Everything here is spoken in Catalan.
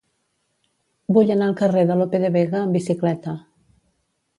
Vull anar al carrer de Lope de Vega amb bicicleta.